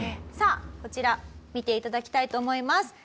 さあこちら見て頂きたいと思います。